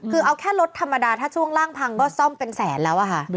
คือเอาแค่รถธรรมดาถ้าช่วงล่างพังก็ซ่อมเป็นแสนแล้วอะค่ะ